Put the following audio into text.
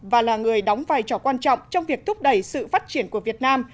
và là người đóng vai trò quan trọng trong việc thúc đẩy sự phát triển của việt nam